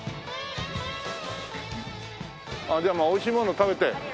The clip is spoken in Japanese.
じゃあまあ美味しいもの食べて。